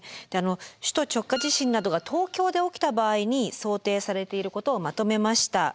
首都直下地震などが東京で起きた場合に想定されていることをまとめました。